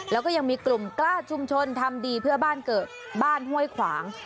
แล้วก็ยังมีกลุ่มกล้าชุมชนทำดีเพื่อบ้านเกิดบ้านห้วยขวาง